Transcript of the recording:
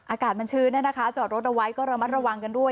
อากาศมันชื้นจอดรถเอาไว้ก็ระมัดระวังกันด้วย